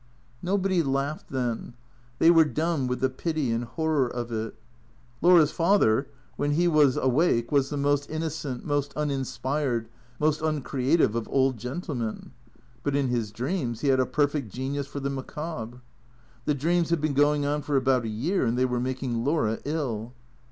Nobody laughed then. They were dumb with the pity and horror of it. Laura's father, when he was awake, was the most innocent, most uninspired, most uncreative of old gentlemen; but in his dreams he had a perfect genius for the macabre. The dreams had been going on for about a year, and they were making Laura ill.